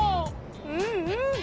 うんうん。